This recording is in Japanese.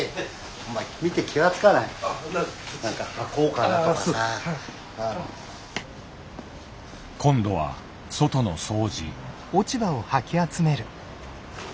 お前今度は外の掃除。